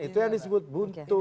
itu yang disebut buntu